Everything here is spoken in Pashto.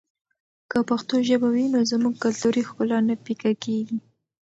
که پښتو ژبه وي نو زموږ کلتوري ښکلا نه پیکه کېږي.